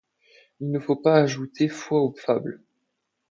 Il ne faut pas ajouter foi aux fables.